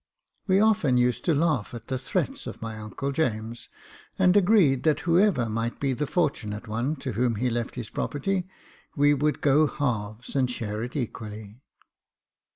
We often used to laugh at the threats of my uncle James, and agreed that whoever might be the fortunate one to whom he left his property, we would go halves, and share it equally.